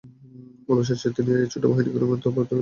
আবশেষে তিনি এই ছোট বাহিনীকে রোমের থাবা থেকে রক্ষা করলেন।